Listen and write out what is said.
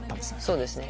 そうですね。